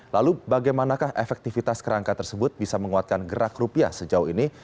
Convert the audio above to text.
lalu bagaimanakah efektivitas kerangka tersebut bisa menguatkan gerak rupiah sejauh ini